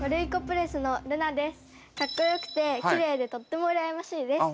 かっこよくてきれいでとってもうらやましいです。